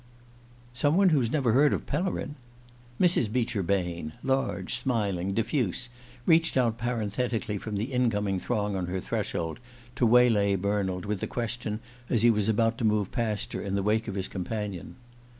"Some one who's never heard of Pellerin?" Mrs. Beecher Bain, large, smiling, diffuse, reached out parenthetically from the incoming throng on her threshold to waylay Bernald with the question as he was about to move past her in the wake of his companion.